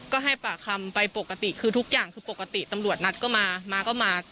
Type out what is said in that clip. ก็ให้ปากคำไปปกติคือทุกอย่างคือปกติตำรวจนัดก็มามาก็มา